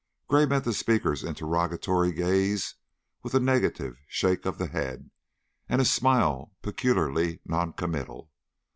Gray met the speaker's interrogatory gaze with a negative shake of the head and a smile peculiarly noncommittal.